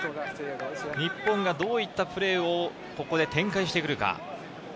日本がどういったプレーをここで展開してくるか。